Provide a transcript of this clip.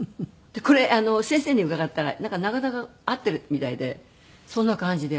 これ先生に伺ったらなかなか合っているみたいでそんな感じで。